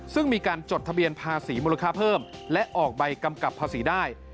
ซึ่งมีการจดทะเบียนภาษีมูลค่าเพิ่มและออกใบกำกับภาษีได้